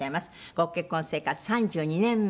ご結婚生活３２年目。